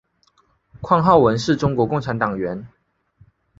况浩文是中国共产党党员。